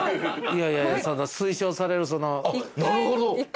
いやいやいや推奨されるその。